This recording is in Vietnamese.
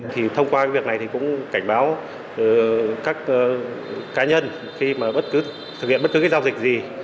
khiết cũng gửi file dữ liệu thông tin cá nhân cho người mua qua zalo và viber